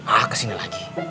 aak kesini lagi